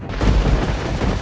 aku akan menang